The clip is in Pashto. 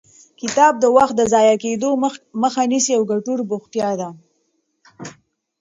کتاب د وخت د ضایع کېدو مخه نیسي او ګټور بوختیا ده.